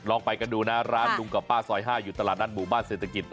ไปกันดูนะร้านลุงกับป้าซอย๕อยู่ตลาดนัดหมู่บ้านเศรษฐกิจ